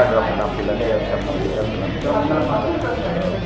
menjaga penampilannya yang sangat baik